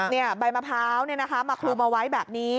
เนี่ยใบมะพร้าวเนี่ยนะคะมาคลุมเอาไว้แบบนี้